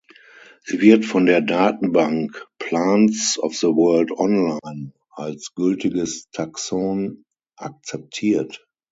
Sie wird von der Datenbank "Plants of the World Online" als gültiges Taxon akzeptiert.